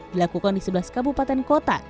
dilakukan di sebelas kabupaten kota